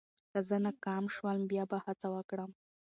که زه ناکام شوم، بیا به هڅه وکړم.